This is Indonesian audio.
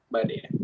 baik deh ya